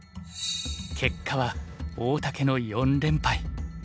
結果は大竹の４連敗。